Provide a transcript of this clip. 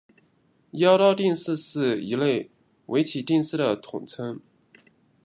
妖刀定式是一类围棋定式的统称。